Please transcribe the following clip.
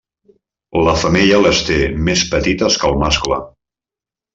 La femella les té més petites que el mascle.